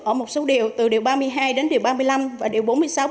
ở một số điều từ điều ba mươi hai đến điều ba mươi năm và điều bốn mươi sáu bốn mươi bảy